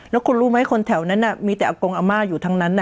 แล้วคุณรู้ไหมคนแถวนั้นมีแต่อากงอาม่าอยู่ทั้งนั้น